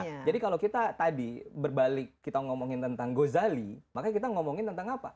nah jadi kalau kita tadi berbalik kita ngomongin tentang gozali maka kita ngomongin tentang apa